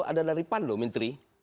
ada dari pan loh menteri